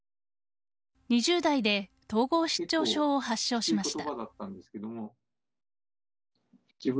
２０代で統合失調症を発症しました。